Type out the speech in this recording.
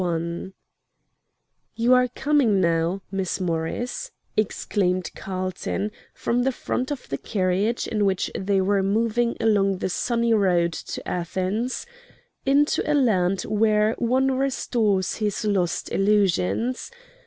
III "You are coming now, Miss Morris," exclaimed Carlton from the front of the carriage in which they were moving along the sunny road to Athens, "into a land where one restores his lost illusions.